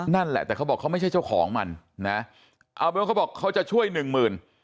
นั่นแหละแต่เขาบอกเขาไม่ใช่เจ้าของมันนะเอาเป็นว่าเขาบอกเขาจะช่วยหนึ่งหมื่น